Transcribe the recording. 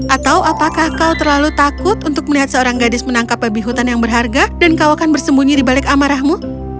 atau apakah kau terlalu takut untuk melihat seorang gadis menangkap babi hutan yang berharga dan kau akan bersembunyi di balik amarahmu